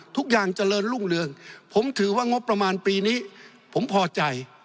ทุกอย่างเจริญรุ่งเรืองผมถือว่างบประมาณปีนี้ผมพอใจ